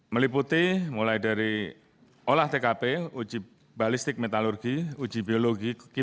meliputi mulai dari olah tkp uji balistik metalurgi uji biologi dan uji penyelidikan